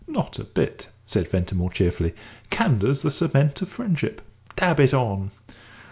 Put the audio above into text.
"Not a bit," said Ventimore, cheerfully. "Candour's the cement of friendship. Dab it on."